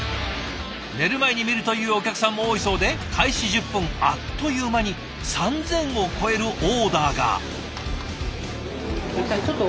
寝る前に見るというお客さんも多いそうで開始１０分あっという間に３，０００を超えるオーダーが。